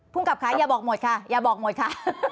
พุ่งกลับค่ะอย่าบอกหมดค่ะ